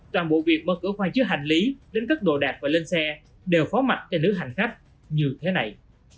toàn bộ việc mở cửa khoang chứa hành lý đến cất đồ đạp và lên xe đều phó mạch cho nữ hành khách như thế này